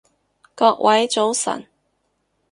各位早晨